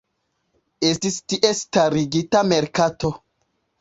Estis tie starigita merkato.